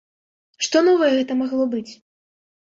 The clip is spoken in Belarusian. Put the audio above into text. Што новае гэта магло быць?